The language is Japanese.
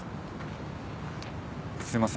すいません。